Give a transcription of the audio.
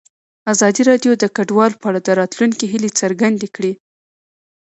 ازادي راډیو د کډوال په اړه د راتلونکي هیلې څرګندې کړې.